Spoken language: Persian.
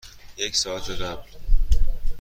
یک ساعت قبل.